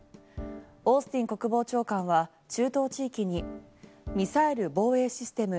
オースティン国防長官は中東地域にミサイル防衛システム